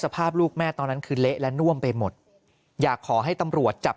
ภาพลูกแม่ตอนนั้นคือเละและน่วมไปหมดอยากขอให้ตำรวจจับ